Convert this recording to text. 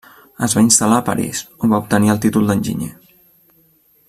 Es va instal·lar a París, on va obtenir el títol d'enginyer.